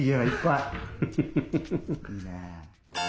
いいね。